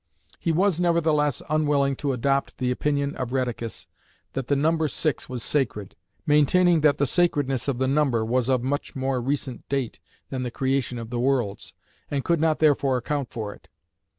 He was nevertheless unwilling to adopt the opinion of Rheticus that the number six was sacred, maintaining that the "sacredness" of the number was of much more recent date than the creation of the worlds, and could not therefore account for it.